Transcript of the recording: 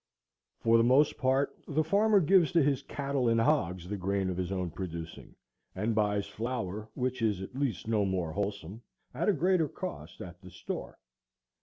For the most part the farmer gives to his cattle and hogs the grain of his own producing, and buys flour, which is at least no more wholesome, at a greater cost, at the store.